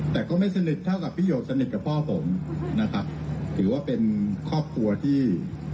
แต่ก็ไม่สนิทเท่ากับพี่หยกสนิทกับพ่อผมนะครับถือว่าเป็นครอบครัวที่